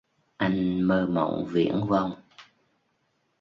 Anh mơ mộng viễn vông